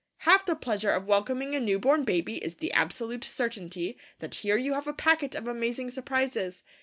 Half the pleasure of welcoming a new born baby is the absolute certainty that here you have a packet of amazing surprises.